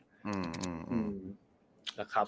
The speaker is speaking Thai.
อ๋าครับ